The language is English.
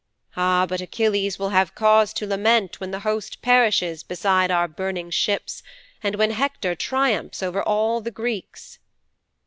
Ah, but Achilles will have cause to lament when the host perishes beside our burning ships and when Hector triumphs over all the Greeks."'